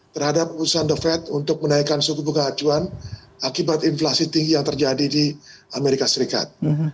terhadap perusahaan the fed untuk menaikkan suku bunga acuan akibat inflasi tinggi yang terjadi di amerika serikat